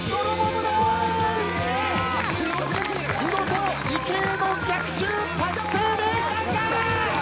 見事理系の逆襲達成です！